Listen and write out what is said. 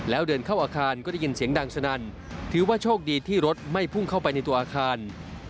แล้วเดินเข้าอาคารก็ได้ยินเสียงดังสนั่นถือว่าโชคดีที่รถไม่พุ่งเข้าไปในตัวอาคาร